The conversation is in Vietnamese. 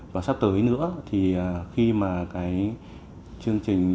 và sắp tới nữa thì khi mà cái chương trình